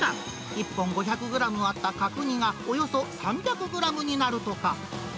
１本５００グラムあった角煮が、およそ３００グラムになるとか。